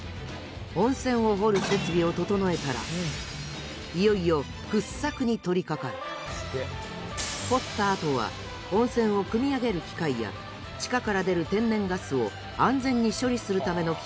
温泉を掘る設備を整えたらいよいよ掘ったあとは温泉をくみ上げる機械や地下から出る天然ガスを安全に処理するための機械を設置。